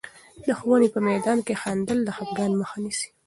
د ښوونې په میدان کې خندل، د خفګان مخه نیسي.